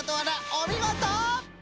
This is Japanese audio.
おみごと！